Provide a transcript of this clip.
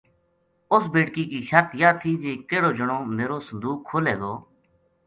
اس بیٹکی کی شرط یاہ تھی جی کِہڑو جنو میرو صندوق کھولے گو